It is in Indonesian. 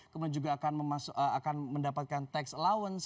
kemudian juga akan mendapatkan tax allowance